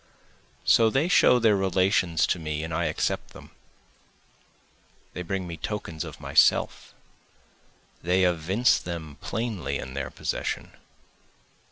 So they show their relations to me and I accept them, They bring me tokens of myself, they evince them plainly in their possession.